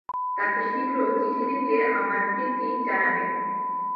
তাঁকে শীঘ্র চিঠি লিখলে আমার প্রীতি জানাবেন।